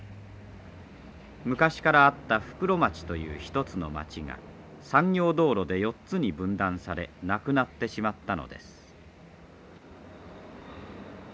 昔からあった袋町という一つの町が産業道路で４つに分断されなくなってしまったのです。